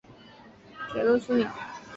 该城也是铁路枢纽。